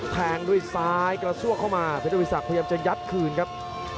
แทงด้วยซ้ายกระซวกเข้ามาเพชรวิสักพยายามจะยัดคืนครับ